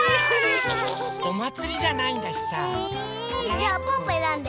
じゃあぽぅぽえらんで。